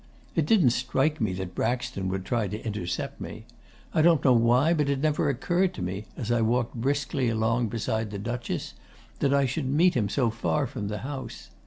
It didn't strike me that Braxton would try to intercept me. I don't know why, but it never occurred to me, as I walked briskly along beside the Duchess, that I should meet him so far from the house.